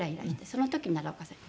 その時奈良岡さんが。